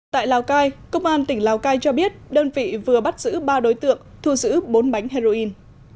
tại lào cai công an tỉnh lào cai cho biết đơn vị vừa bắt giữ ba đối tượng thu giữ bốn bánh heroin